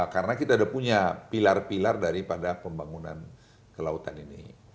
karena kita udah punya pilar pilar daripada pembangunan kelautan ini